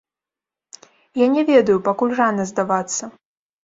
Я не ведаю, пакуль рана здавацца.